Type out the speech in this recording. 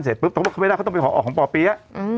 เสร็จปุ๊บเขาบอกว่าเขาไม่ได้เขาต้องไปขอออกของปเปี๊ยะ